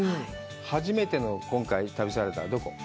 初めての今回の旅サラダ、どこ？